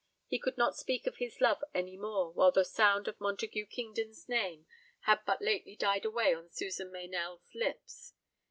He could not speak of his love any more while the sound of Montague Kingdon's name had but lately died away on Susan Meynell's lips.